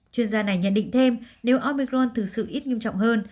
chuyên gia này nhận định thêm nếu omicron thực sự ít nghiêm trọng hơn